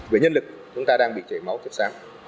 về nhân lực chúng ta đang bị chảy máu chất sáng